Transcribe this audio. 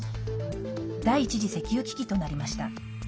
第１次石油危機となりました。